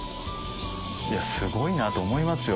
すごいなと思いますよ